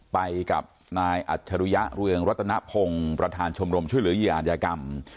ไปกับนายอัจฉริยะเรืองรัตนพงศ์ประธานชมรมช่วยเหลือเหยื่ออาจยากรรม